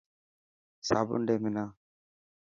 صابن ڏي منا.